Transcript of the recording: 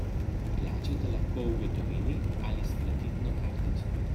Plačate lahko v gotovini ali s kreditno kartico.